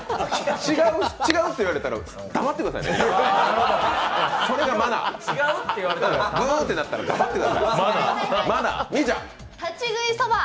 違うって言われたら黙ってくださいね、ブーって鳴ったら黙ってください、マナー。